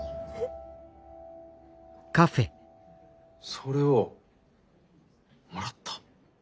それをもらった？